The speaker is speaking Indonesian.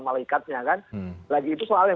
malaikatnya kan lagi itu soal yang